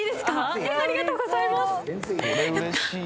ありがとうございます。